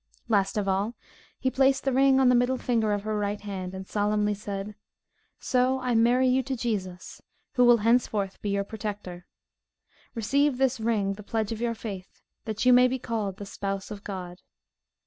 Last of all, he placed the ring on the middle finger of her right hand, and solemnly said, "So I marry you to Jesus Christ, who will henceforth be your protector. Receive this ring, the pledge of your faith, that you may be called the spouse of God."